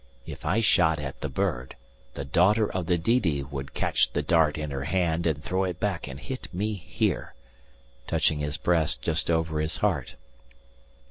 If I shot at the bird, the daughter of the Didi would catch the dart in her hand and throw it back and hit me here," touching his breast just over his heart.